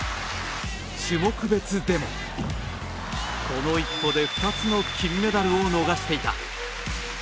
種目別でも、この１歩で２つの金メダルを逃していた。